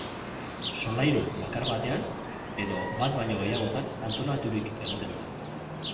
Solairu bakar batean edo bat baino gehiagotan antolaturik egoten da.